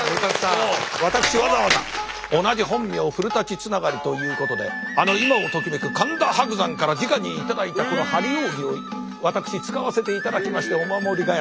私わざわざ同じ本名古つながりということであの今をときめく神田伯山からじかに頂いたこの張り扇を私使わせていただきましてお守り代わりにやらせていただきます。